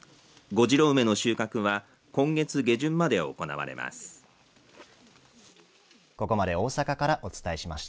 古城梅の収穫は今月下旬まで行われます。